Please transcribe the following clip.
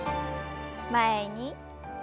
前に。